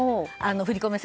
振り込め